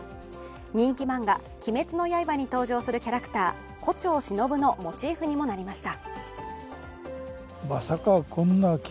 人気漫画「鬼滅の刃」に登場するキャラクター胡蝶しのぶのモチーフにもなりました。